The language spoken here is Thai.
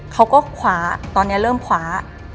เขาก็คว้าตอนนี้เริ่มคว้า